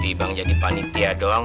dibang jadi panitia doang